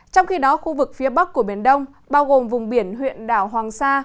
trong khi đó khu vực phía bắc của biển đông bao gồm vùng biển huyện đảo hoàng sa